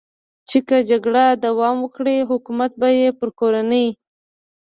چې که جګړه دوام وکړي، حکومت به یې پر کورنۍ.